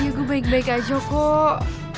gue baik baik aja kok